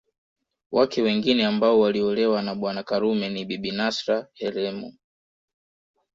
Wake wengine ambao waliolewa na Bwana Karume ni Bibi Nasra Helemu